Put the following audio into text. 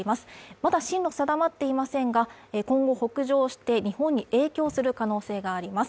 まだ進路定まっていませんが今後北上して日本に影響する可能性があります。